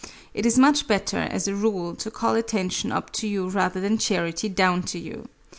It is much better, as a rule, to call attention up to you rather than charity down to you.